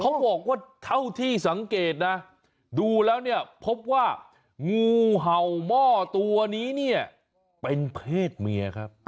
เขาบอกว่าเท่าที่สังเกตนะดูแล้วเนี่ยพบว่างูเห่าหม้อตัวนี้เนี่ยเป็นเพศเมียครับ